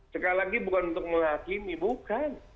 sekali lagi bukan untuk menghakimi bukan